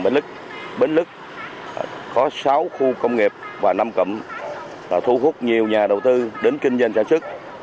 bến lức có sáu khu công nghiệp và năm cậm thu hút nhiều nhà đầu tư đến kinh doanh sản xuất